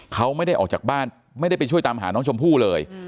เขาไม่ได้ออกจากบ้านไม่ได้ไปช่วยตามหาน้องชมพู่เลย